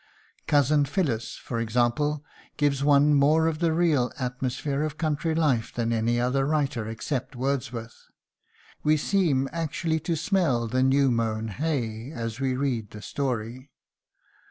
"Cousin Phillis," for example, gives one more of the real atmosphere of country life than any other writer except Wordsworth. We seem actually to smell the new mown hay as we read the story.